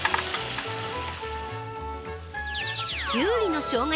きゅうりのしょうが